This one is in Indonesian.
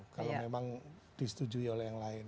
kalau memang disetujui oleh yang lain